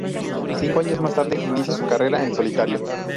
Cinco años más tarde, inicia su carrera en solitario.